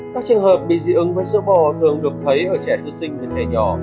các trường hợp bị dị ứng với sữa bò thường được thấy ở trẻ sư sinh và trẻ nhỏ